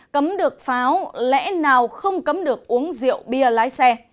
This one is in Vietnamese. cấm được pháo lẽ nào không cấm được uống rượu bia lái xe